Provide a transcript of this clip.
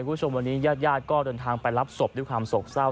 คุณผู้ชมวันนี้ญาติญาติก็เดินทางไปรับศพด้วยความโศกเศร้า